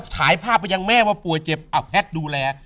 ถ่ายภาพไปยังแม่ว่าปัวเจ็บเอ้าแพทดูแล